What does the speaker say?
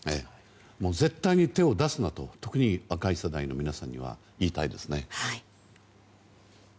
絶対に手を出すなと特に若い世代の皆さんには言いたいですね。